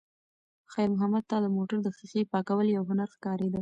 خیر محمد ته د موټر د ښیښې پاکول یو هنر ښکارېده.